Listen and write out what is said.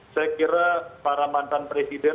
saya kira para mantan presiden